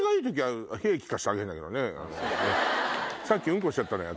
さっきうんこしちゃったのよ